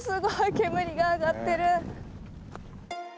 煙が上がってる。